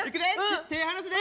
手離すで？